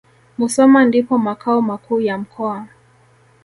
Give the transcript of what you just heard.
Musoma ndipo makao makuu ya mkoa